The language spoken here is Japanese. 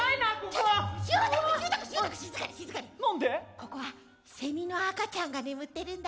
ここはセミの赤ちゃんが眠ってるんだ。